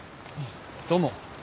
どうも。